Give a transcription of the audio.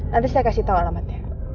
nanti saya kasih tahu alamatnya